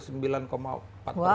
wah hampir tiga kali lipat ya